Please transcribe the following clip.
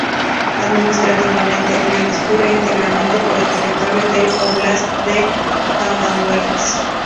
Administrativamente, el río discurre íntegramente por el territorio del óblast de Arjánguelsk.